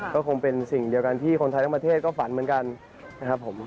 ก็คงเป็นสิ่งเดียวกันที่คนไทยทั้งประเทศก็ฝันเหมือนกันนะครับผม